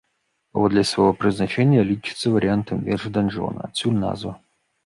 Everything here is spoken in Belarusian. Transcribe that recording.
Паводле свайго прызначэння лічыцца варыянтам вежы-данжона, адсюль назва.